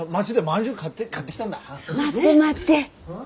待って待って。